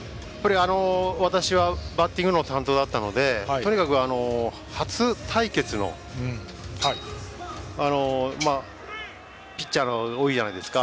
私はバッティングの担当だったのでとにかく初対決のピッチャーが多いじゃないですか。